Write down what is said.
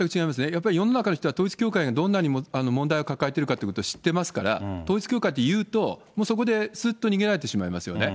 やっぱり世の中の人は、統一教会がどんなに問題を抱えているか知ってますから、統一教会って言うと、もうそこですっと逃げられてしまいますよね。